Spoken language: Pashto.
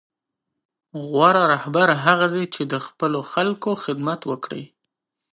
غوره رهبر هغه دی چې د خپلو خلکو خدمت وکړي.